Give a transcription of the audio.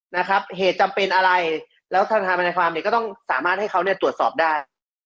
นะครับเหตุจำเป็นอะไรแล้วทางทางความเนี่ยก็ต้องสามารถให้เขาเนี่ยตรวจสอบได้